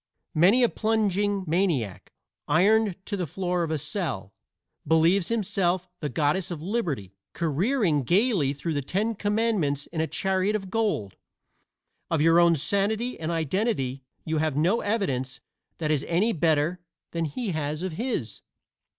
Many a plunging maniac, ironed to the floor of a cell, believes himself the Goddess of Liberty careering gaily through the Ten Commandments in a chariot of gold. Of your own sanity and identity you have no evidence that is any better than he has of his.